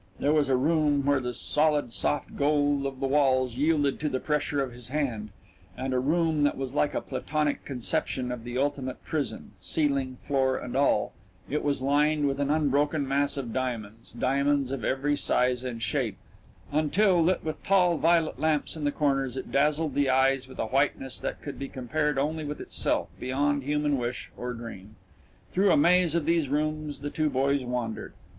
There was a room where the solid, soft gold of the walls yielded to the pressure of his hand, and a room that was like a platonic conception of the ultimate prison ceiling, floor, and all, it was lined with an unbroken mass of diamonds, diamonds of every size and shape, until, lit with tall violet lamps in the corners, it dazzled the eyes with a whiteness that could be compared only with itself, beyond human wish, or dream. Through a maze of these rooms the two boys wandered.